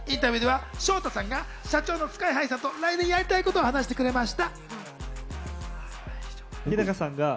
インタビューではＳｈｏｔａさんが社長のＳＫＹ−ＨＩさんと来年やりたいことを話してくれました。